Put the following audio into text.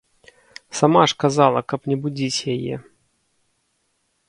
Сама ж казала, каб не будзіць яе.